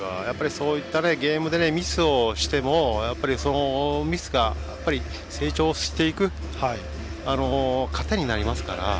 そういった選手がゲームでミスをしても、ミスが成長していく糧になりますから。